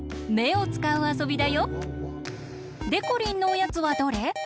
めをつかうあそびだよ。でこりんのおやつはどれ？